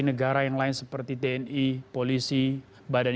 negara yang lain seperti tni polisi badan